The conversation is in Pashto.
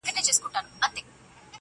• دا لاله دا سره ګلونه -